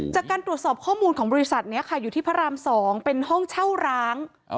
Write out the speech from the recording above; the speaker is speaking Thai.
จากการตรวจสอบข้อมูลของบริษัทนี้ค่ะอยู่ที่พระราม๒เป็นห้องเช่าร้าง